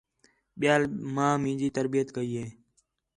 ٻِیال ماں مینجی تربیت کَئی ہِے